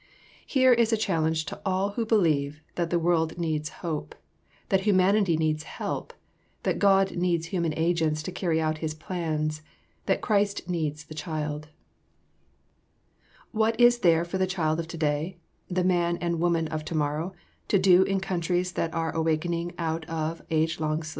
Here is a challenge to all who believe that the world needs hope, that humanity needs help, that God needs human agents to carry out His plans, that Christ needs the child! [Sidenote: Work for the children in awakening lands.] What is there for the child of today, the man and woman of tomorrow, to do in countries that are awaking out of age long sleep?